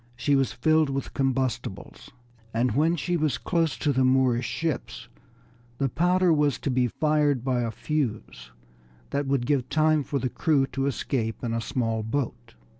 She was filled with combustibles, and when she was close to the Moorish ships the powder was to be fired by a fuse that would give time for the crew to escape in a small boat.